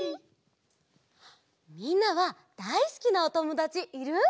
みんなはだいすきなおともだちいる？